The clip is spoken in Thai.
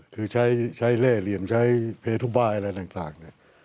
คือใช้เล่เหลี่ยมใช้เพทุบายอะไรต่างเนี่ย